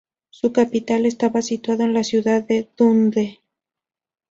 Su capital estaba situada en la ciudad de Dundee.